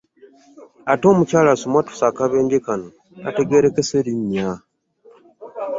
Ate mukyala asimattuse akabenje kano tategeerekese linnya.